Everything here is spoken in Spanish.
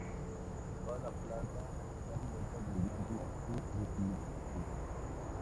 Toda la planta está cubierta de glándulas y rígidos pelos.